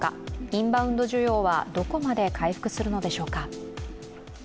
インバウンド需要はどこまで回復するのでしょうか。